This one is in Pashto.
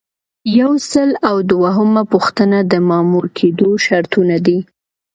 یو سل او دوهمه پوښتنه د مامور کیدو شرطونه دي.